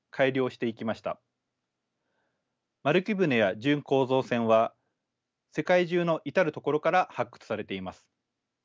丸木舟や準構造船は世界中の至る所から発掘されています。